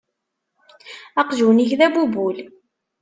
Aqjun-ik d abubul.